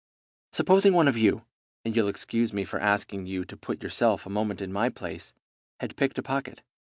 Supposing one of you and you'll excuse me for asking you to put yourself a moment in my place had picked a pocket.